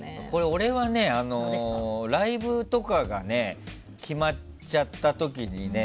俺はね、ライブとかが決まっちゃった時にね。